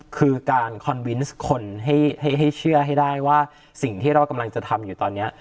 คือการคอนวินส์คนให้เชื่อให้ได้ว่าสิ่งที่เรากำลังจะทำอยู่ตอนนี้